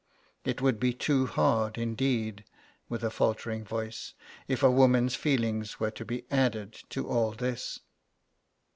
It would be too hard, indeed (with a faltering voice), if a woman's feelings were to be added to all this.'